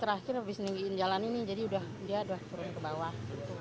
terakhir habis ninggiin jalan ini jadi dia udah turun ke bawah